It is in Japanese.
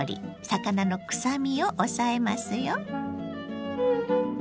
魚のくさみを抑えますよ。